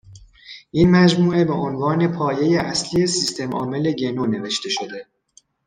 این مجموعه به عنوان پایهٔ اصلی سیستمعامل گنو نوشته شده